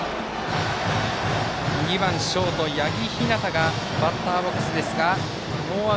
２番ショート、八木陽がバッターボックスです。